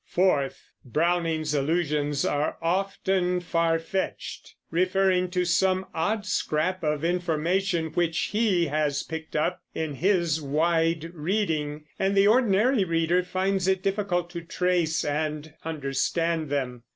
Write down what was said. Fourth, Browning's, allusions are often far fetched, referring to some odd scrap of information which he has picked up in his wide reading, and the ordinary reader finds it difficult to trace and understand them.